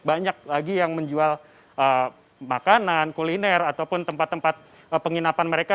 banyak lagi yang menjual makanan kuliner ataupun tempat tempat penginapan mereka